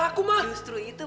mau ngomong sesuatu